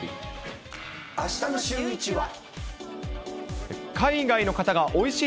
あしたのシューイチは。